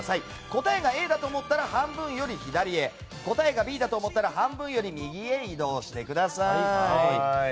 答えがＡだと思ったら半分より左へ答えがＢだと思ったら半分より右へ移動してください。